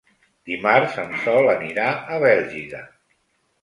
Dimarts en Sol anirà a Bèlgida.